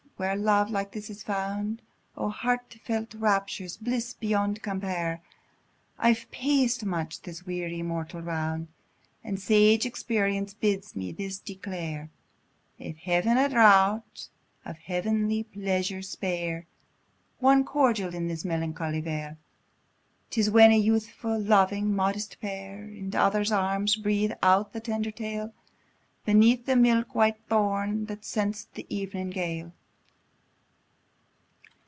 where love like this is found: O heart felt raptures! bliss beyond compare! I've paced much this weary, mortal round, And sage experience bids me this declare, "If Heaven a draught of heavenly pleasure spare One cordial in this melancholy vale, 'Tis when a youthful, loving, modest pair In other'sarms, breathe out the tender tale, Beneath the milk white thorn that scents the evening gale."